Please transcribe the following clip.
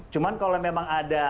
cuma kalau memang ada